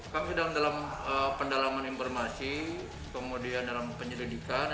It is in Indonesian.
kami sedang dalam pendalaman informasi kemudian dalam penyelidikan